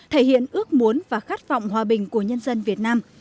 thể hiện ước muốn và khát vọng hòa bình của nhân dân việt nam